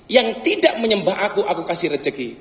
yang tidak menyembah aku aku kasih rezeki